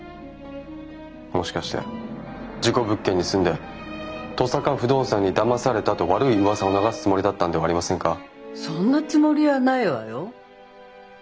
もしかして事故物件に住んで「登坂不動産にだまされた」と悪い噂を流すつもりだったんではありませんか？そんなつもりはないわよ。